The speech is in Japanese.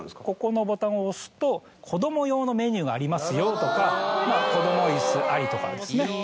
ここのボタンを押すと子供用のメニューがありますよとか子供イスありとかですね。